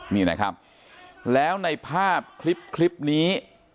นี่นะครับแล้วในภาพคลิปนี้